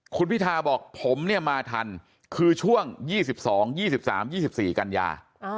คุณพิทาบอกผมเนี่ยมาทันคือช่วง๒๒๒๓๒๔กันยา